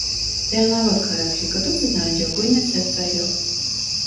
Դեղնաոտ քարադրի կտուցը նարնջագույն է սև ծայրով։